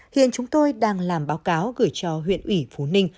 hiện chúng tôi đang làm báo cáo gửi cho huyện ủy phú ninh